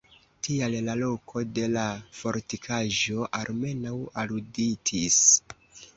Tial la loko de la fortikaĵo almenaŭ aluditis.